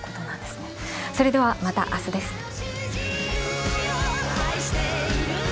それでは、またあすです。